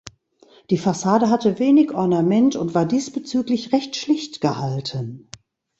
Die Fassade hatte wenig Ornament und war diesbezüglich recht schlicht gehalten.